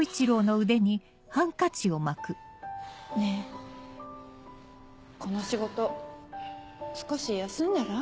あぁねぇこの仕事少し休んだら？